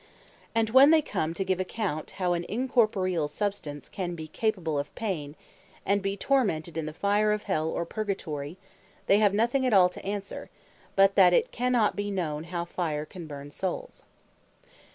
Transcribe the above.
And when they come to give account, how an Incorporeall Substance can be capable of Pain, and be tormented in the fire of Hell, or Purgatory, they have nothing at all to answer, but that it cannot be known how fire can burn Soules.